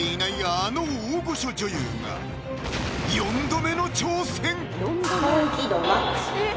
あの大御所女優が４度目の挑戦